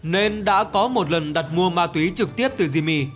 nên đã có một lần đặt mua ma túy trực tiếp từ jimi